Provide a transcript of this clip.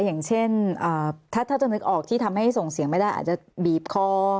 อย่างเช่นถ้าจะนึกออกที่ทำให้ส่งเสียงไม่ได้อาจจะบีบคอ